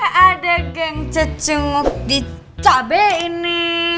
eee ada geng cecunguk dicabe ini